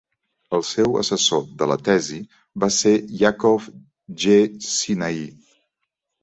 El seu assessor de la tesi va ser Yakov G. Sinai.